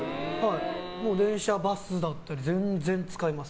電車、バスだったり全然使います。